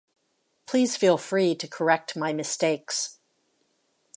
Please feel free to correct my mistakes.